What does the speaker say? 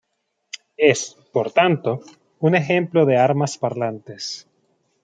Es, por tanto, un ejemplo de armas parlantes.